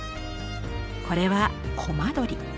これはコマドリ。